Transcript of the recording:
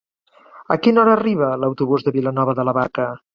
A quina hora arriba l'autobús de Vilanova de la Barca?